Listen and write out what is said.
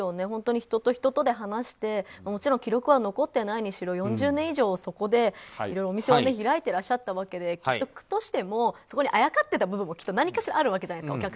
本当に人と人とで話してもちろん記録は残っていないにしても４０年以上、そこでお店を開いていらっしゃったわけで区としてもそこにあやかってた部分もきっと何かしらあるわけじゃないですか。